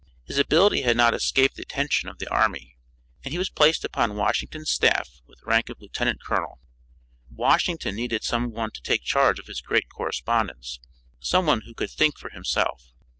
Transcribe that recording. His ability had not escaped the attention of the army, and he was placed upon Washington's staff with rank of lieutenant colonel. Washington needed some one to take charge of his great correspondence, some one who could think for himself.